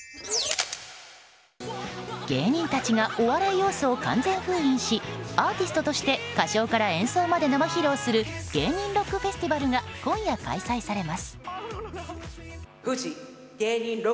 芸人たちがお笑い要素を完全封印しアーティストとして歌唱から演奏まで生披露する芸人ロックフェスティバルが今夜、開催されます。